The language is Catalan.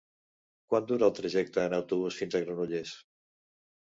Quant dura el trajecte en autobús fins a Granollers?